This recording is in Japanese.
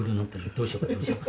どうしようか？